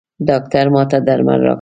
ډاکټر ماته درمل راکړل.